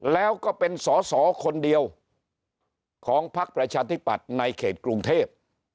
แล้วก็เป็นสอสอคนเดียวของพักประชาธิปัตย์ในเขตกรุงเทพ